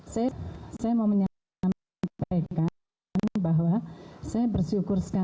saya mau menyampaikan bahwa saya bersyukur sekali